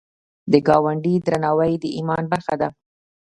د ګاونډي درناوی د ایمان برخه ده